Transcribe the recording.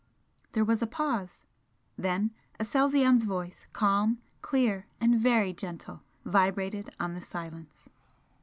There was a pause. Then Aselzion's voice, calm, clear and very gentle, vibrated on the silence.